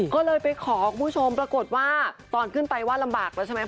ก็เลยไปขอคุณผู้ชมปรากฏว่าตอนขึ้นไปว่าลำบากแล้วใช่ไหม